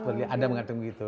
ada yang mengatakan begitu